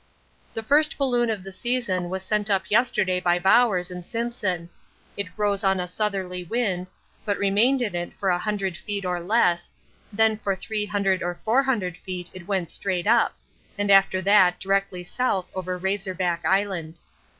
The first balloon of the season was sent up yesterday by Bowers and Simpson. It rose on a southerly wind, but remained in it for 100 feet or less, then for 300 or 400 feet it went straight up, and after that directly south over Razor Back Island.